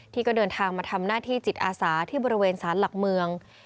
ที่ก็เดินทางมาทำหน้าที่จิตอาสาที่บริเวณสารหลักเมือง